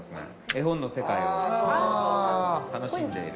絵本の世界を楽しんでいる。